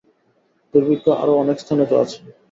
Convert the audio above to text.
দুর্ভিক্ষ আরও অনেক স্থানে তো আছে।